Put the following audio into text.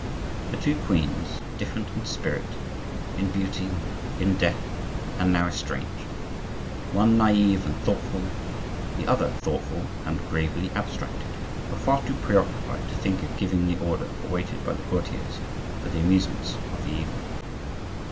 The two queens, different in spirit, in beauty, in dress, and now estranged,—one naive and thoughtful, the other thoughtful and gravely abstracted,—were far too preoccupied to think of giving the order awaited by the courtiers for the amusements of the evening.